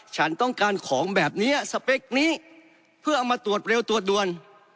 ฉันต้องการของแบบนี้สเปคนี้เพื่อเอามาตรวจเร็วตรวจด่วน